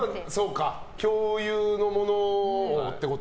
共有のものをってこと？